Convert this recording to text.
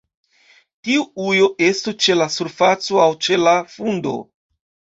Tiu ujo estu ĉe la surfaco aŭ ĉe la fundo.